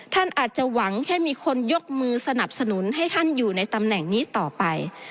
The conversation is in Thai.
ท่านอาจจะหวังแค่มีคนยกมือสนับสนุนให้ท่านอยู่ในตำแหน่งนี้ต่อไป